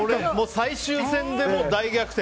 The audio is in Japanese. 最終戦で大逆転。